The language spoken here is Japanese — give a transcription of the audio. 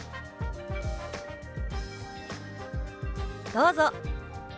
どうぞ！